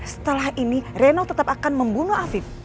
setelah ini reno tetap akan membunuh afif